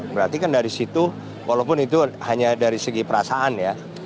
berarti kan dari situ walaupun itu hanya dari segi perasaan ya